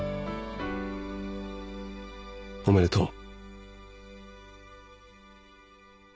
おめでとう。